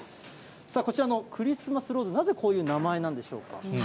さあ、こちらのクリスマスローズ、なぜこういう名前なんでしょうか。